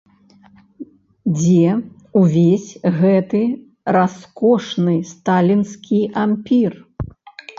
Дзе увесь гэты раскошны сталінскі ампір?